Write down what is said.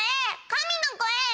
神の声！